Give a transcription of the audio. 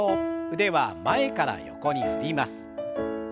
腕は前から横に振ります。